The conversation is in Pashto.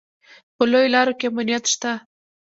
په لویو لارو کې امنیت شته